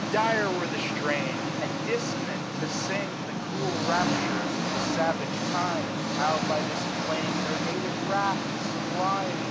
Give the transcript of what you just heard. Dire were the strain, and dissonant, to sing The cruel raptures of the savage kind : How by this flame their native wrath sublimed.